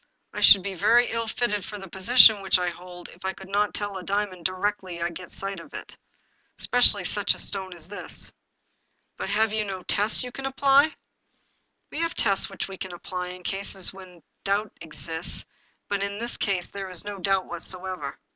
" I should be very ill fitted for the position which I hold if I could not tell a diamond directly I get a sight of it, especially such a stone as this." " But have you no tests you can apply ?"" We have tests which we apply in cases in which doubt exists, but in this case there is no doubt whatever.